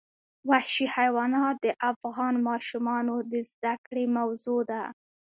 وحشي حیوانات د افغان ماشومانو د زده کړې موضوع ده.